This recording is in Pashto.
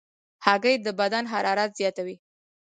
هګۍ د بدن حرارت زیاتوي.